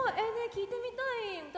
聴いてみたい！